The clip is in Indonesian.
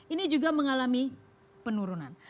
ini juga mengalami penurunan